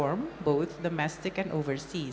sekitar domestik dan luar negara